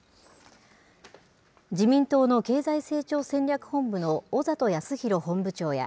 自民党の経済成長戦略本部の小里泰弘本部長や、